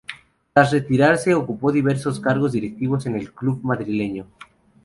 Tras retirarse ocupó diversos cargos directivos en el club madrileño.